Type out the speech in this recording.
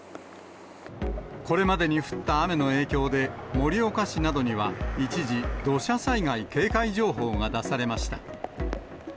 これまでに降った雨の影響で、盛岡市などには一時、土砂災害警戒情報が出されました。